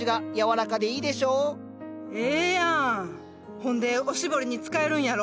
ほんでおしぼりに使えるんやろ？